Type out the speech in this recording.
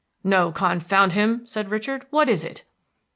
"No, confound him!" said Richard, "what is it?"